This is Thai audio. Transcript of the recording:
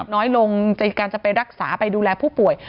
น้อยลงในการจะไปรักษาไปดูแลผู้ป่วย